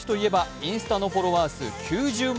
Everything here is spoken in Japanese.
インスタのフォロワー数９０万